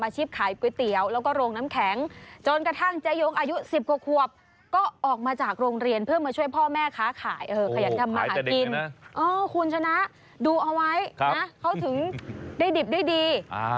เจ๊ย้งอายุสิบกว่าควบก็ออกมาจากโรงเรียนเพื่อมาช่วยพ่อแม่ค้าขายเออขยันทำมาหากินอ๋อคุณชนะดูเอาไว้ครับนะเขาถึงได้ดิบได้ดีอ่า